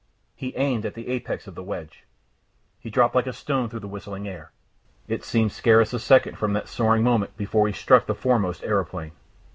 He aimed at the apex of the wedge. He dropped like a stone through the whistling air. It seemed scarce a second from that soaring moment before he struck the foremost aeroplane.